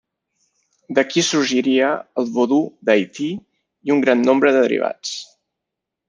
D'aquí sorgiria el vodú d'Haití i un gran nombre de derivats.